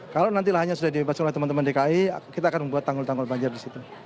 kalau nanti lahannya sudah dibebas oleh teman teman dki kita akan membuat tanggul tanggul banjir di situ